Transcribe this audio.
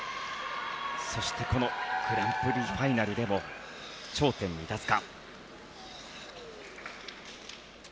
そしてこのグランプリファイナルでも頂点に立つか。